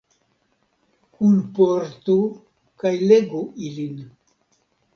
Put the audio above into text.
Kunportu kaj legu ilin.